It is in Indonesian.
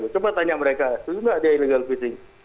coba tanya mereka ini juga ada illegal fishing